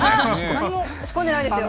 何も仕込んでないですよ。